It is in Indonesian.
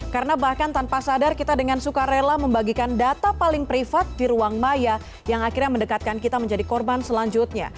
karena bahkan tanpa sadar kita dengan suka rela membagikan data paling privat di ruang maya yang akhirnya mendekatkan kita menjadi korban selanjutnya